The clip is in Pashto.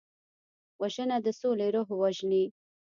وژنه د سولې روح وژني